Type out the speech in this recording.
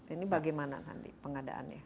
ini bagaimana nanti pengadaannya